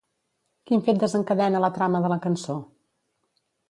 Quin fet desencadena la trama de la cançó?